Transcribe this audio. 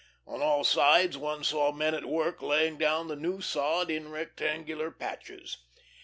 On all sides one saw men at work laying down the new sod in rectangular patches.